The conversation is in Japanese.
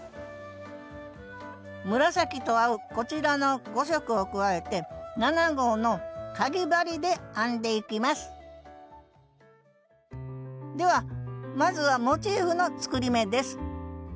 紫と合うこちらの５色を加えて７号のかぎ針で編んでいきますではまずはモチーフの作り目です